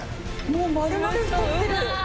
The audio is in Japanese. もう丸々太ってる。